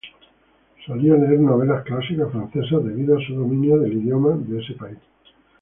Solía leer novelas clásicas francesas debido a su dominio del idioma de ese país.